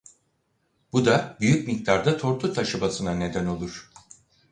Bu da büyük miktarda tortu taşımasına neden olur.